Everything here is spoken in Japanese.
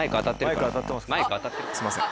すいません。